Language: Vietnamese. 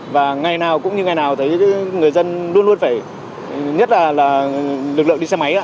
và ngày nào cũng như ngày nào thấy người dân luôn luôn phải nhất là lực lượng đi xe máy